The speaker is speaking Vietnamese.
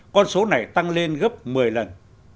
con số này tăng lên gấp một mươi lần